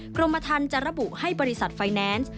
กรมธรรมจะระบุให้บริษัทไฟแนนซ์